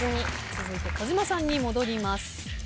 続いて児嶋さんに戻ります。